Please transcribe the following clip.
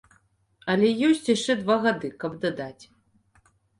Але ёсць яшчэ два гады, каб дадаць.